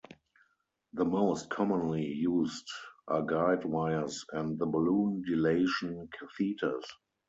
The most commonly used are guide wires and the balloon dilation catheters.